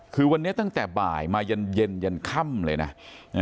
คือวันนี้ตั้งแต่บ่ายมายันเย็นยันค่ำเลยนะ